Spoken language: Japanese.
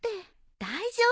大丈夫よ